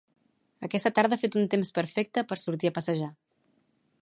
Aquesta tarda ha fet un temps perfecte per sortir a passejar.